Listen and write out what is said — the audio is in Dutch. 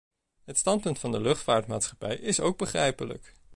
Het standpunt van de luchtvaartmaatschappijen is ook begrijpelijk.